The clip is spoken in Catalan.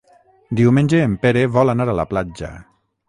Diumenge en Pere vol anar a la platja.